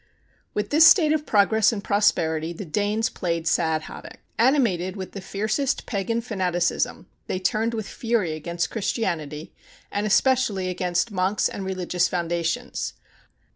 With this state of progress and prosperity the Danes played sad havoc. Animated with the fiercest pagan fanaticism, they turned with fury against Christianity, and especially against monks and religious foundations.